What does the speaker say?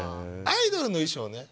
アイドルの衣装ね。